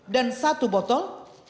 dan satu botol